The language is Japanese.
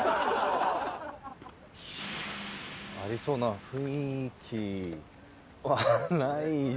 ありそうな雰囲気はないな。